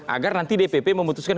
agar nanti dpp memutuskan